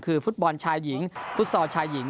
คือฟุตบอลชายหญิงฟุตซอลชายหญิง